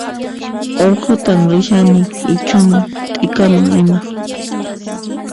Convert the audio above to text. Urqutan rishani ichhuman t'ikaman ima